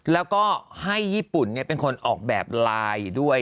แล้วก็ให้ญี่ปุ่นเป็นคนออกแบบไลน์ด้วย